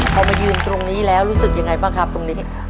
พอมายืนตรงนี้แล้วรู้สึกยังไงบ้างครับตรงนี้